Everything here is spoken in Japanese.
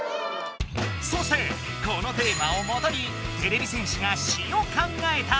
そしてこのテーマをもとにてれび戦士が「詞」を考えた。